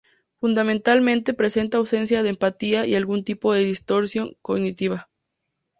Fundamentalmente, presenta ausencia de "empatía" y algún tipo de "distorsión cognitiva".